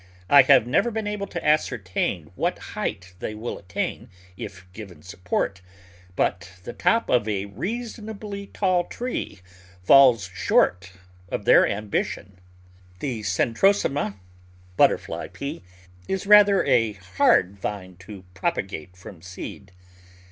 I have never been able to ascertain what height they will attain if given support, but the top of a reasonably tall tree falls short of their am bition. The Centrosema (Butterfly Pea) is rather a hard vine to propagate from seed.